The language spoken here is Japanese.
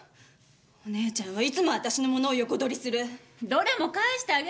お姉ちゃんはいつも私のものを横取りする！どれも返してあげたじゃない。